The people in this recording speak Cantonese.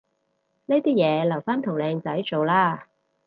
呢啲嘢留返同靚仔做啦